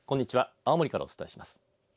青森からお伝えします。